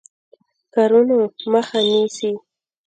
کارونو مخه نیسي.